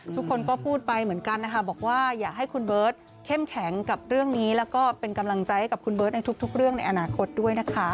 ทุกคนก็พูดไปเหมือนกันนะคะบอกว่าอยากให้คุณเบิร์ตเข้มแข็งกับเรื่องนี้แล้วก็เป็นกำลังใจให้กับคุณเบิร์ตในทุกเรื่องในอนาคตด้วยนะคะ